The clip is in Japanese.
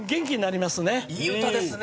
いい歌ですね。